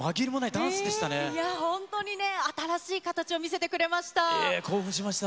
本当にね、新しい形を見せて興奮しました。